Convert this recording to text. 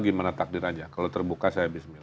gimana takdir aja kalau terbuka saya bismillah